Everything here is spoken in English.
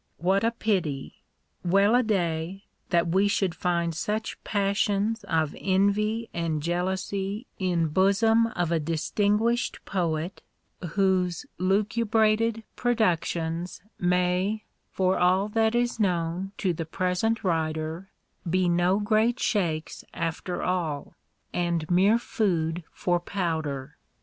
What a pity! Well a day, that we should find such passions of envy and jealousy in bosom of a distinguished poet, whose lucubrated productions may (for all that is known to the present writer) be no great shakes after all, and mere food for powder!